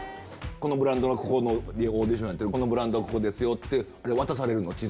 このブランドのここでオーディションやって、このブランドはここですよって渡されるの？